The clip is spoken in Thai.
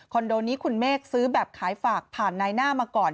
โดนี้คุณเมฆซื้อแบบขายฝากผ่านนายหน้ามาก่อน